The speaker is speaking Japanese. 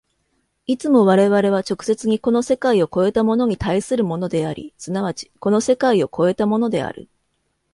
いつも我々は直接にこの世界を越えたものに対するものであり、即ちこの世界を越えたものである。